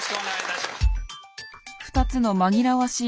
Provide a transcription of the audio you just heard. ２つの紛らわしい